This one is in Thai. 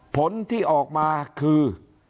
ผลที่ออกมาคือ